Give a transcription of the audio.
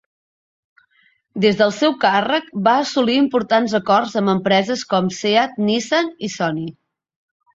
Des del seu càrrec va assolir importants acords amb empreses com Seat, Nissan i Sony.